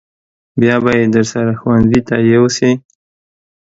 بیا به یې درسره ښوونځي ته یوسې.